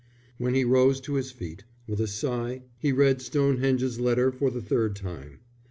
When he rose to his feet, with a sigh he read Stonehenge's letter for the third time.